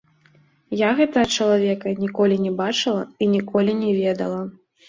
Я гэтага чалавека ніколі не бачыла і ніколі не ведала.